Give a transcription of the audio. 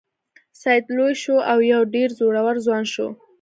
سید لوی شو او یو ډیر زړور ځوان شو.